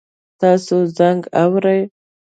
تاسو زنګ اورئ؟